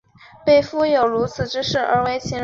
罗茨泰因山麓索兰德是德国萨克森州的一个市镇。